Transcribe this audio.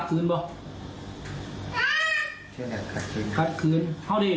ตีหรือเปล่า